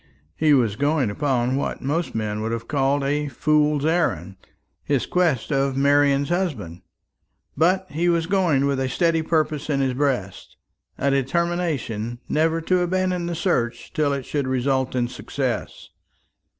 He was going upon what most men would have called a fool's errand his quest of Marian's husband; but he was going with a steady purpose in his breast a determination never to abandon the search till it should result in success.